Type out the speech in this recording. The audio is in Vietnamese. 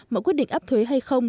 mọi quyết định áp thuế hay không